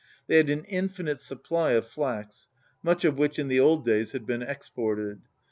They had an infinite supply of flax, much of which in the old days had been exported.